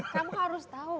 kamu harus tahu